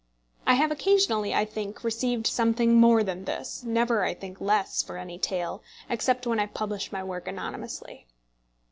I have occasionally, I think, received something more than this, never I think less for any tale, except when I have published my work anonymously.